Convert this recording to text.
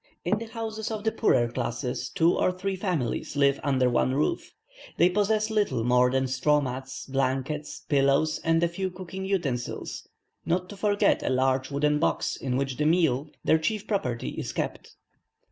In the houses of the poorer classes two or three families live under one roof. They possess little more than straw mats, blankets, pillows, and a few cooking utensils, not to forget a large wooden box in which the meal, their chief property, is kept.